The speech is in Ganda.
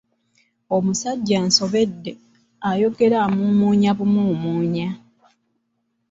Omusajja ansobedde, ayogera amuumuunya bumuumuunya.